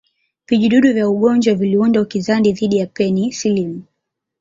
Vijidudu vya ugonjwa viliunda ukinzani dhidi ya penicillin